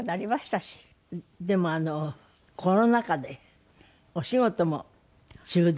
でもコロナ禍でお仕事も中断。